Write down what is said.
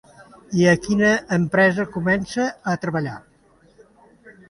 I a quina empresa comença a treballar?